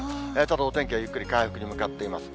ただ、お天気はゆっくり回復に向かっています。